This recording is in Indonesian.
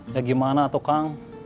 ya gimana tuh kang